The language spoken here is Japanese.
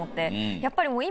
やっぱり今。